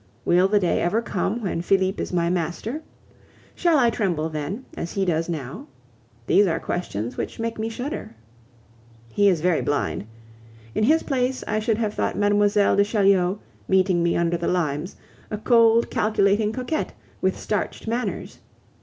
Will the day ever come when Felipe is my master? Shall I tremble then, as he does now? These are questions which make me shudder. He is very blind! In his place I should have thought Mlle. de Chaulieu, meeting me under the limes, a cold, calculating coquette, with starched manners.